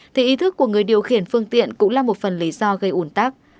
thì ý thức của người điều khiển phương tiện cũng là một phần lý do gây ủn tắc